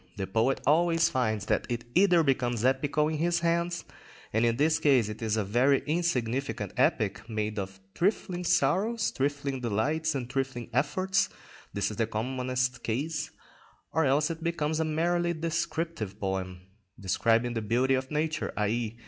The poet always finds that it either becomes epical in his hands, and in this case it is a very insignificant epic, made up of trifling sorrows, trifling delights, and trifling efforts—this is the commonest case—or else it becomes a merely descriptive poem, describing the beauty of nature, _i.e.